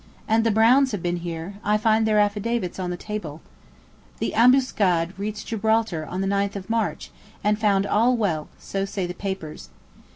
And the Browns have been here; I find their affidavits on the table. The "Ambuscade" reached Gibraltar on the 9th of March, and found all well; so say the papers.